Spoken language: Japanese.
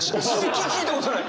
聞いたことない！